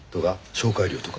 紹介料とか。